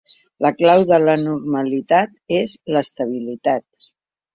La clau de la normalitat és l’estabilitat.